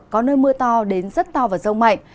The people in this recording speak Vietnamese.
có nơi mưa to đến rất to và rông mạnh